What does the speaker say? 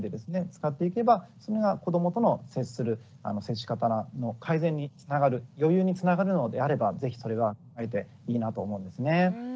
使っていけばそれが子どもとの接する接し方の改善につながる余裕につながるのであればぜひそれがあえていいなと思うんですね。